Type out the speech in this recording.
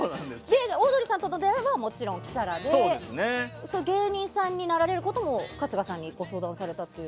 オードリーさんとの出会いはもちろんキサラで芸人さんになられることも春日さんにご相談されたと。